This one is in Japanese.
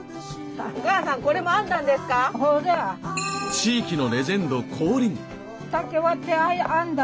地域のレジェンド降臨！